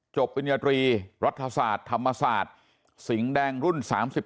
ปริญญาตรีรัฐศาสตร์ธรรมศาสตร์สิงห์แดงรุ่น๓๙